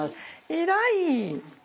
偉い。